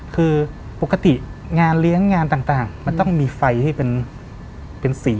คือปกติงานเลี้ยงงานต่างมันต้องมีไฟให้เป็นสี